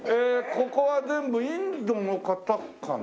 ここは全部インドの方かな？